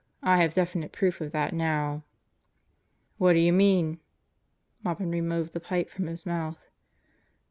I have definite proof of that now.' " "What does he mean?" Maupin removed the pipe from his mouth.